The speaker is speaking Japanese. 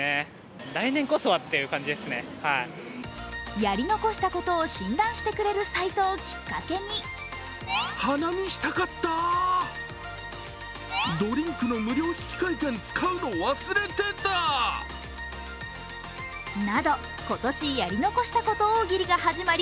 やり残したことを診断してくれるサイトをきっかけになど今年やり残したこと大喜利が始まり